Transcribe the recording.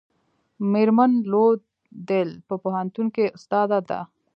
میرمن لو د ییل په پوهنتون کې استاده ده.